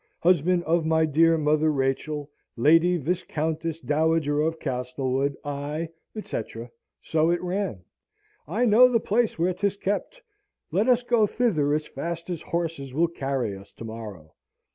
husband of my dear mother Rachel, Lady Viscountess Dowager of Castlewood, I, etc.' so it ran. I know the place where 'tis kept let us go thither as fast as horses will carry us to morrow.